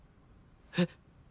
えっ。